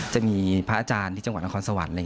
จะมีพระอาจารย์ที่จังหวัดนครสวรรค์